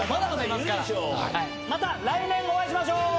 また来年お会いしましょう！